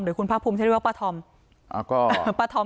เดี๋ยวคุณพระภูมิจะเรียกว่าประทรอม